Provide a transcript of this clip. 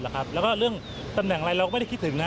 แล้วก็เรื่องตำแหน่งอะไรเราก็ไม่ได้คิดถึงนะ